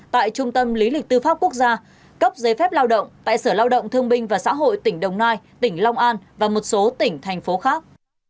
tại trung tâm lý lịch tư pháp quốc gia cấp giấy phép lao động tại sở lao động thương binh và xã hội tỉnh đồng nai tỉnh long an và một số tỉnh thành phố khác